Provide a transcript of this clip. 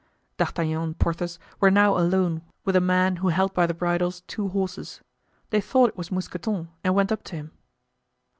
D'Artagnan and Porthos were now alone with a man who held by the bridles two horses; they thought it was Mousqueton and went up to him.